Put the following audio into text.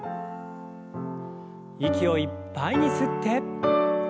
息をいっぱいに吸って。